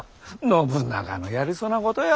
信長のやりそうなことよ。